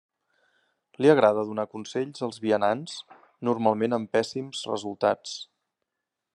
Li agrada donar consells als vianants, normalment amb pèssims resultats.